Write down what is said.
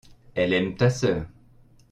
elle aime ta sœur.